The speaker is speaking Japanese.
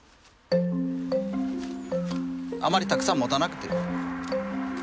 あまりたくさん持たなくていい。